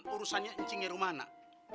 urusannya encingnya rumah anak